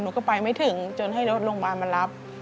หนูก็ไปไม่ถึงจนให้รถโรงพยาบาลมารับ